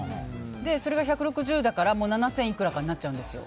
それが１６０だから７０００いくらかになっちゃうんですよ。